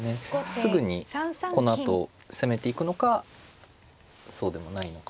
すぐにこのあと攻めていくのかそうでもないのかというところで。